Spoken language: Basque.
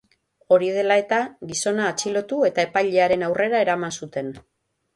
Hori dela eta, gizona atxilotu eta epailearen aurrera eraman zuten.